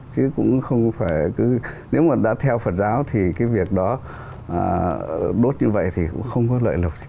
chứ cũng không phải cứ nếu mà đã theo phật giáo thì cái việc đó đốt như vậy thì cũng không có lợi nộp gì